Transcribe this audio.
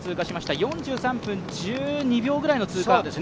４３分１２秒くらいの通過ですね。